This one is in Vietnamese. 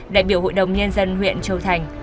đại biểu hội đồng nhân dân huyện châu thành